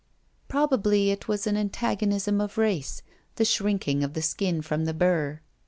Probably it was an antagonism of race, the shrinking of the skin from the burr.